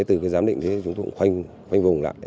từ giám định chúng tôi cũng khoanh vùng lại